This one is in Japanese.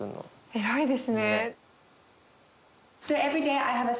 偉いですね。